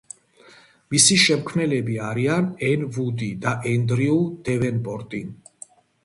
მისი შემქმნელები არიან ენ ვუდი და ენდრიუ დევენპორტი.